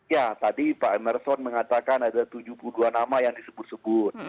ya tadi pak emerson mengatakan ada tujuh puluh dua nama yang disebut sebut